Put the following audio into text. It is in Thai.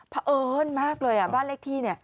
พระเอิญมากเลยบ้านเลขที่